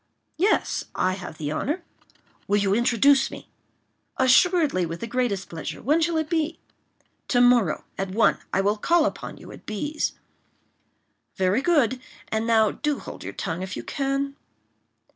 "Yes; I have the honor." "Will you introduce me?" "Assuredly, with the greatest pleasure; when shall it be?" "To morrow, at one, I will call upon you at B—'s." "Very good; and now do hold your tongue, if you can."